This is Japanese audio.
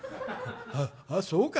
「ああっそうか」。